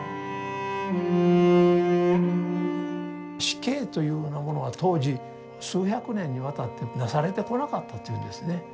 死刑というようなものは当時数百年にわたってなされてこなかったというんですね。